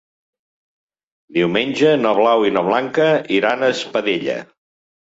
Diumenge na Blau i na Blanca iran a Espadella.